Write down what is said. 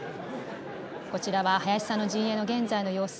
こちらは林さんの陣営の現在の様子。